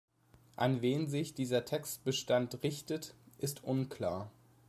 An wen sich dieser Textbestand richtet, ist unklar.